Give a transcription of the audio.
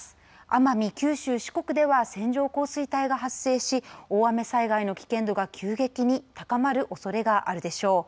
奄美、九州、四国では線状降水帯が発生し大雨災害の危険度が急激に高まるおそれがあるでしょう。